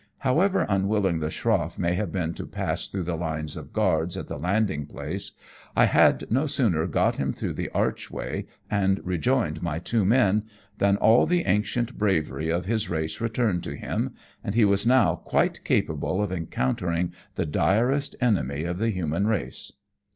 However unwilling the schroiF may have been to pass through the lines of guards at the landing place, I had no sooner got him through the archway and rejoined my two men than all the ancient bravery of his race returned to him, and he was now quite 178 AMONG TYPHOONS AND PIRATE CRAFT. capable of encountering the direst enemy of the human race.